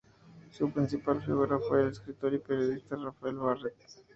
Su principal figura fue el escritor y periodista Rafael Barret.